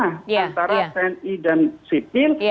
antara tni dan sipil